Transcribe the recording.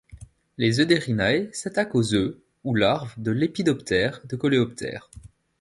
Les Euderinae s'attaquent aux œufs ou larves de lépidoptères, de coléoptères.